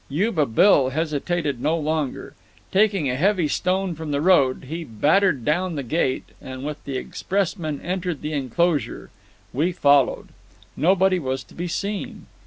Yuba Bill hesitated no longer. Taking a heavy stone from the road, he battered down the gate, and with the expressman entered the enclosure. We followed. Nobody was to be seen.